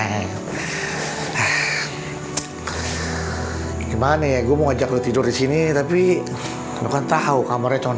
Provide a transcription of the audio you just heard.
gimana ya gue mau ajak tidur di sini tapi bukan tahu kamarnya